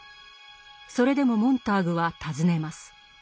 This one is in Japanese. それでもモンターグは尋ねます。